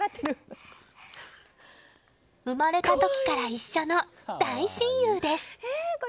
生まれた時から一緒の大親友です。